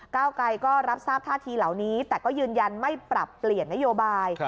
เก้าไกรก็รับทราบท่าทีเหล่านี้แต่ก็ยืนยันไม่ปรับเปลี่ยนนโยบาย